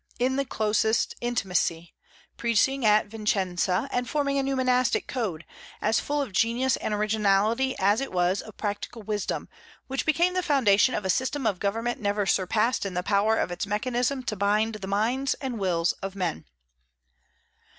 in the closest intimacy, preaching at Vicenza, and forming a new monastic code, as full of genius and originality as it was of practical wisdom, which became the foundation of a system of government never surpassed in the power of its mechanism to bind the minds and wills of men.